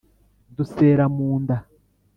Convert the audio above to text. Dusera mu nda